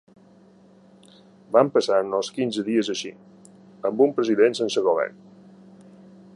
Vam passar-nos quinze dies així, amb un president sense govern.